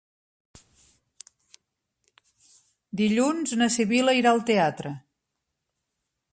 Dilluns na Sibil·la irà al teatre.